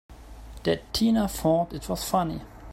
That Tina thought it was funny!